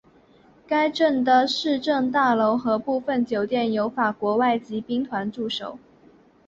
该镇的市政大楼和部分酒店有法国外籍兵团驻守。